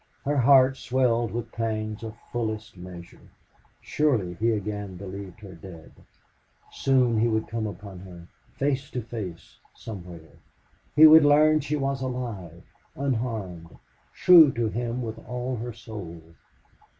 Her heart swelled with pangs of fullest measure. Surely he again believed her dead. Soon he would come upon her face to face somewhere. He would learn she was alive unharmed true to him with all her soul.